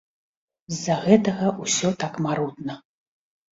З-за гэтага ўсё так марудна.